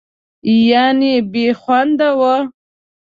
یعنې بېخونده وه.